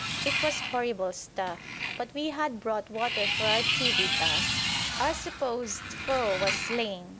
It was horrible stuff, but we had brought water for our tea with us. Our supposed foe was slain.